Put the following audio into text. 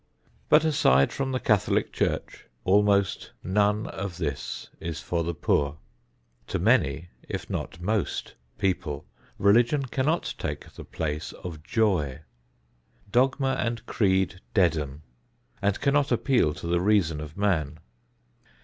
But aside from the Catholic Church almost none of this is for the poor. To many if not most people religion cannot take the place of joy. Dogma and creed deaden and cannot appeal to the reason of man.